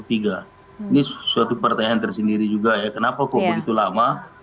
ini suatu pertanyaan tersendiri juga ya kenapa kok begitu lama